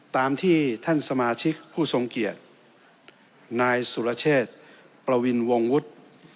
ตามที่ท่านสมาชิกผู้ทรงเกียรตินายสุรเชษประวินวงวุฒิ